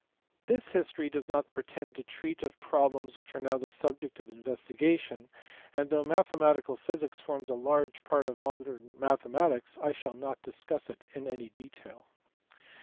This history does not pretend to treat of problems which are now the subject of investigation, and though mathematical physics forms a large part of "modern mathematics" I shall not dis cuss it in any detail.